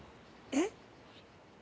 えっ？